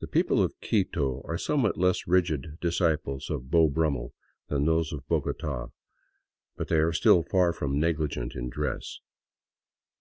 The people of Quito are somewhat less rigid disciples of Beau Brummel than those of Bogota, but they are still far from negligent in dress.